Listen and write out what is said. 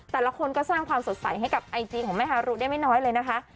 แต่ละคนก็สร้างความสดใสให้กับไอจีของแม่ฮารุได้ไม่น้อยเลยนะคะ